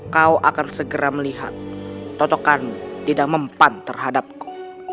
kau akan segera melihat totokanmu tidak mempan terhadapku